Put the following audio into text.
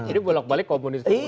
ini bolak balik komunis komunis